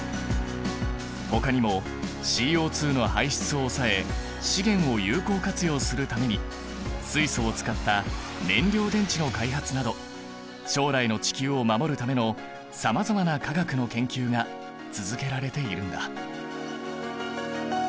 ほかにもＣＯの排出を抑え資源を有効活用するために水素を使った燃料電池の開発など将来の地球を守るためのさまざまな化学の研究が続けられているんだ。